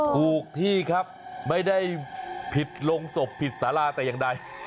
ถูกที่ครับไม่ได้ผิดโรงศพผิดสาราแต่อย่างใด